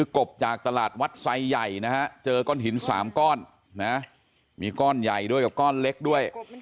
กบจากตลาดวัดไซใหญ่นะฮะเจอก้อนหิน๓ก้อนนะมีก้อนใหญ่ด้วยกับก้อนเล็กด้วย